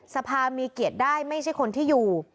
สภามีเกียรติได้ไม่ใช่คนที่อยู่